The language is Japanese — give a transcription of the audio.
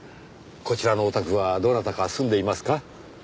こちらのお宅はどなたか住んでいますか？